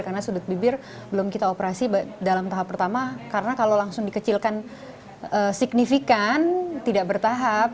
karena sudut bibir belum kita operasi dalam tahap pertama karena kalau langsung dikecilkan signifikan tidak bertahap